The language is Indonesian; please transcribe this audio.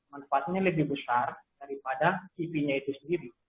manfaatnya lebih besar daripada cv nya itu sendiri